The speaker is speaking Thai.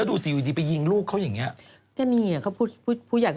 ดูสิอยู่ดีไปยิงลูกเค้าอย่างเงี้ย